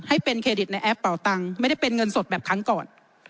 ให้เป็นเครดิตในแอปเป่าตังค์ไม่ได้เป็นเงินสดแบบครั้งก่อน